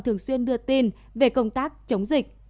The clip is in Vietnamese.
thường xuyên đưa tin về công tác chống dịch